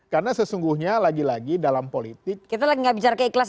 karena sesungguhnya lagi lagi dalam politik